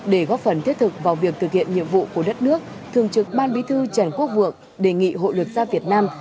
để góp phần thiết thực vào việc thực hiện nhiệm vụ của đất nước thường trực ban bí thư trần quốc vượng đề nghị hội luật gia việt nam